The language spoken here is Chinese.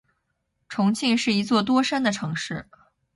重庆是一座多山的城市。